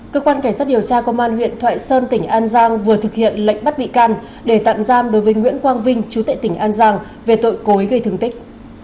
cơ quan cảnh sát điều tra công an huyện thoại sơn tỉnh an giang vừa thực hiện lệnh bắt bị can để tạm giam đối với nguyễn quang vinh chú tệ tỉnh an giang về tội cố ý gây thương tích